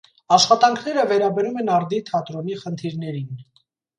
Աշխատանքները վերաբերում են արդի թատրոնի խնդիրներին։